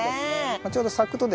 ちょうど咲くとですね